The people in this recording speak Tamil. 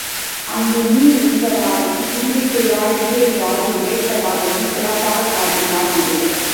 அங்கு நீர் உண்பதாகவும், தும்பிக்கையால் நீரை வாரி இறைப்பதாகவும் சிறப்பாகக் காட்டினார் நடிகர்.